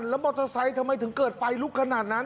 แล้วมอเตอร์ไซค์ทำไมถึงเกิดไฟลุกขนาดนั้น